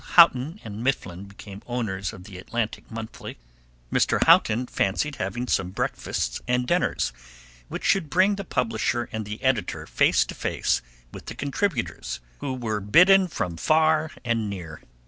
Houghton & Mifflin became owners of The Atlantic Monthly, Mr. Houghton fancied having some breakfasts and dinners, which should bring the publisher and the editor face to face with the contributors, who were bidden from far and near.